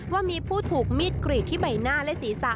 ว่ามีผู้ถูกมีดกรีดที่ใบหน้าและศีรษะ